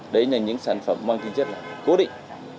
đấy là những sản phẩm mang tính chất là cố định